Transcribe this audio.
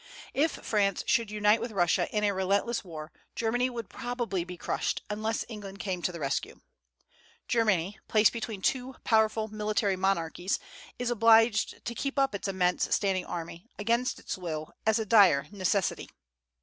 If France should unite with Russia in a relentless war, Germany would probably be crushed, unless England came to the rescue. Germany, placed between two powerful military monarchies, is obliged to keep up its immense standing army, against its will, as a dire necessity.